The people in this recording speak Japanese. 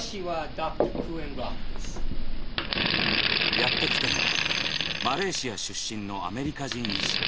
やって来たのはマレーシア出身のアメリカ人医師クー先生７８歳。